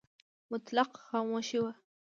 مطلق خاموشي وه .